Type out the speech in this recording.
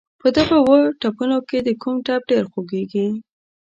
په دغه اووه ټپونو کې دې کوم ټپ ډېر خوږېږي.